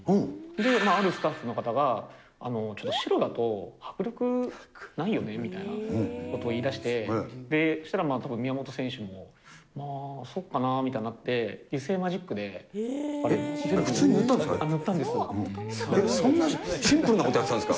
あるスタッフの方が、ちょっと白だと迫力ないよねみたいなことを言いだして、そうしたらたぶん宮本選手もまあ、そうかなみたいになって、普通に塗ったんですか？